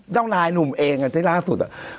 เจ้านายนุ่มเองอ่ะที่ล่าสุดอ่ะ